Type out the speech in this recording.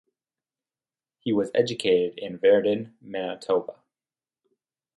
He was educated in Virden, Manitoba.